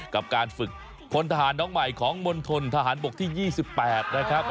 กับการฝึกพลทหารน้องใหม่ของมณฑนทหารบกที่๒๘นะครับ